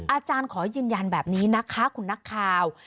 อาจารย์ขอยืนยันแบบนี้นะคะคุณนักข่าว